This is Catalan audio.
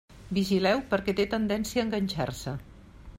Vigileu perquè té tendència a enganxar-se.